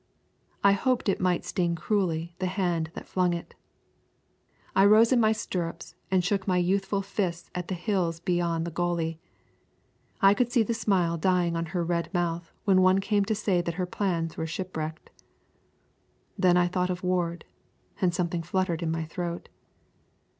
I hoped it might sting cruelly the hand that flung it. I rose in my stirrups and shook my youthful fists at the hills beyond the Gauley. I could see the smile dying on her red mouth when one came to say that her plans were ship wrecked. Then I thought of Ward, and something fluttered in my throat.